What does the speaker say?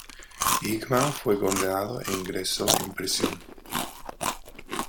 Hickman fue condenado e ingresó en prisión.